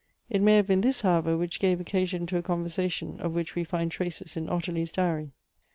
It may have been this, however, which gave occasion to a conversation of which we find traces in Ottilie's diary.